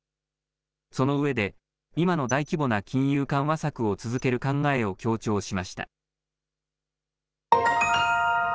そのうえで今の大規模な金融緩和策を続ける考えを強調しました。